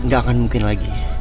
gak akan mungkin lagi